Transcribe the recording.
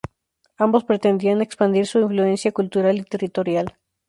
Ambos pretendían expandir su influencia cultural y territorial.